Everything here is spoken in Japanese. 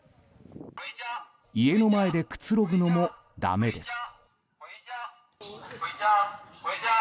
家の前でくつろぐのもだめです。